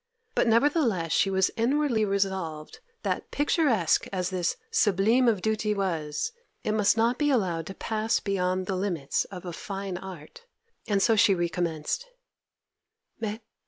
But nevertheless she was inwardly resolved, that picturesque as this 'sublime of duty' was, it must not be allowed to pass beyond the limits of a fine art, and so she recommenced.